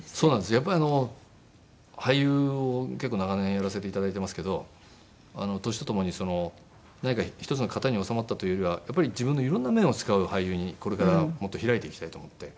やっぱり俳優を結構長年やらせて頂いてますけど年と共に何か１つの型に収まったというよりはやっぱり自分の色んな面を使う俳優にこれからもっと開いていきたいと思って。